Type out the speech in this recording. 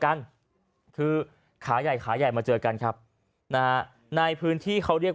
กันคือขาใหญ่ขาใหญ่มาเจอกันครับนะฮะในพื้นที่เขาเรียก